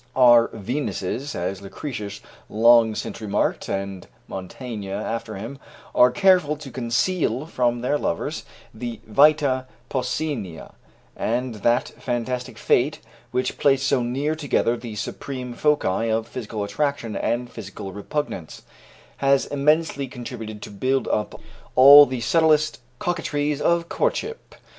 Our Venuses, as Lucretius long since remarked and Montaigne after him, are careful to conceal from their lovers the vita postscenia, and that fantastic fate which placed so near together the supreme foci of physical attraction and physical repugnance, has immensely contributed to build up all the subtlest coquetries of courtship.